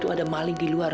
ada malik di luar